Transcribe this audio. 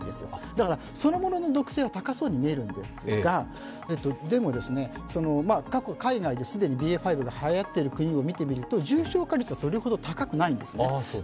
だから、そのものの毒性は高そうに見えるんですが、でも、過去海外でＢＡ．５がはやっている国を見てみますと、重症化率はそれほど高くないんですね。